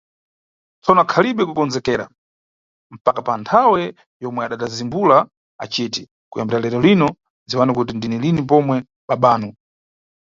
Tsono akhalibe kukondzekera mpaka pa nthawe yomwe adadzazimbula aciti, kuyambira lero lino, dziwani kuti ndine lini pomwe babanu.